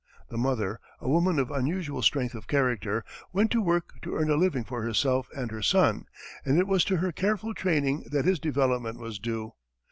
The mother, a woman of unusual strength of character, went to work to earn a living for herself and her son, and it was to her careful training that his development was due.